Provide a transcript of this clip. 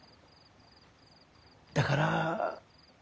だから。